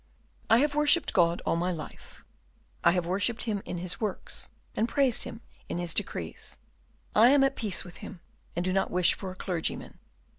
"I have worshipped God all my life, I have worshipped Him in His works, and praised Him in His decrees. I am at peace with Him and do not wish for a clergyman.